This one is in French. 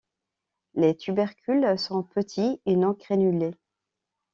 Les tubercules sont petits et non crénulés.